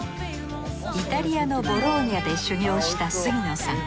イタリアのボローニャで修業した杉野さん。